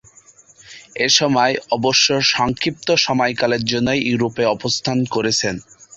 এ সময়ে অবশ্য সংক্ষিপ্ত সময়কালের জন্য ইউরোপে অবস্থান করেন।